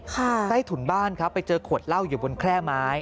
ใต้ถุนบ้านครับไปเจอขวดเหล้าอยู่บนแคร่ไม้